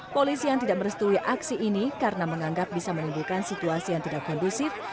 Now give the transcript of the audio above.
polisi yang tidak merestui aksi ini karena menganggap bisa menimbulkan situasi yang tidak kondusif